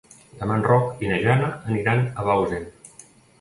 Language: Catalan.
Demà en Roc i na Jana aniran a Bausen.